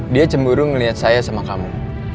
dia cemburu ngelihat saya sama kamu